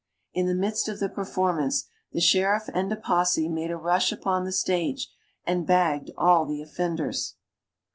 In the midst of the performance the sheriff and a posse made a rush upon the stage and bagged all the offenders.